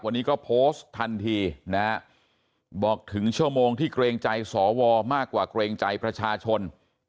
วันนี้ก็โพสต์ทันทีนะฮะบอกถึงชั่วโมงที่เกรงใจสวมากกว่าเกรงใจประชาชน